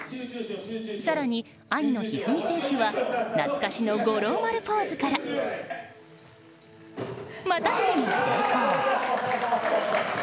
更に、兄の一二三選手は懐かしの五郎丸ポーズからまたしても成功。